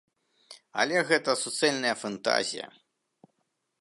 Але гэта суцэльная фантазія.